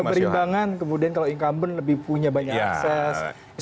keberimbangan kemudian kalau incumbent lebih punya banyak akses